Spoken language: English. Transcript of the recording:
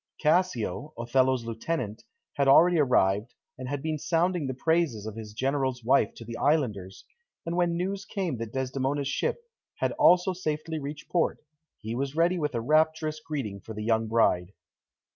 Cassio, Othello's lieutenant, had already arrived, and had been sounding the praises of his General's wife to the islanders, and when news came that Desdemona's ship had also safely reached port, he was ready with a rapturous greeting for the young bride.